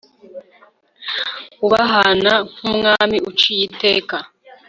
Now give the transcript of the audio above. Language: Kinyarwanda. ubahana nk'umwami uciye iteka